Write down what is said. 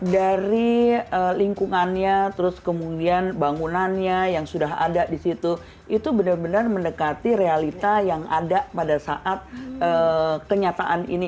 dari lingkungannya terus kemudian bangunannya yang sudah ada di situ itu benar benar mendekati realita yang ada pada saat kenyataan ini